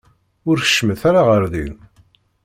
Ur keččmet ara ɣer din.